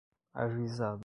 ajuizada